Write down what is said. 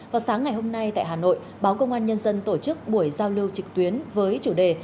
vào sáng ngày hôm nay tại hà nội báo công an nhân dân tổ chức buổi giao lưu trực tuyến với chủ đề